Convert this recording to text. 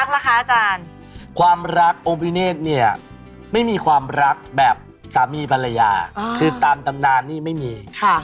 พระพิกเนตเนี่ยไม่มีความรักแบบสามีภรรยาคือตามตำนานนี่ไม่มี